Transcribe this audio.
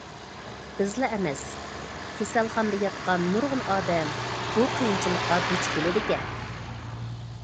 بىزلا ئەمەس، كېسەلخانىدا ياتقان نۇرغۇن ئادەم بۇ قىيىنچىلىققا دۇچ كېلىدىكەن.